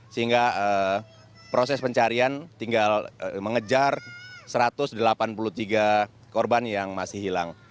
sehingga proses pencarian tinggal mengejar satu ratus delapan puluh tiga korban yang masih hilang